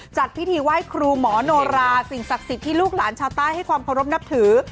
จัดพิธีไหว้ครูหมอโนราสิ่งศักดิ์สิทธิ์ที่ลูกหลานชาวใต้ให้ความเคารพนับถือ